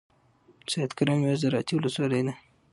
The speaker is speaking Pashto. سیدکرم یوه زرعتی ولسوالۍ ده.